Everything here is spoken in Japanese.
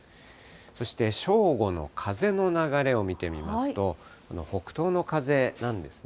そして正午の風の流れを見てみますと、北東の風なんですね。